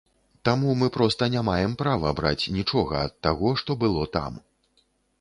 Таму мы проста не маем права браць нічога ад таго, што было там.